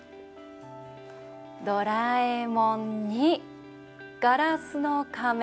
「ドラえもん」に「ガラスの仮面」。